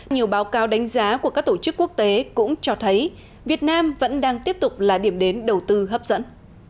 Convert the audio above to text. nhiều báo cáo đánh giá của các tổ chức quốc tế cũng cho thấy việt nam vẫn đang tiếp tục là điểm đến đầu tư hấp dẫn